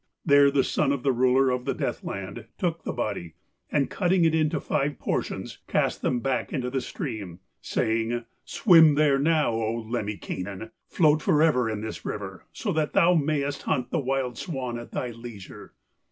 There the son of the ruler of the Deathland took the body, and cutting it into five portions, cast them back into the stream, saying: 'Swim there now, O Lemminkainen! float for ever in this river, so that thou mayst hunt the wild swan at thy leisure.'